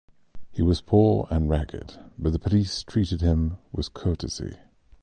He was poor and ragged, but the police treated him with courtesy.